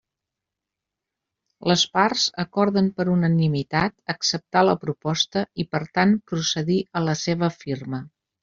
Les parts acorden per unanimitat acceptar la proposta i per tant procedir a la seva firma.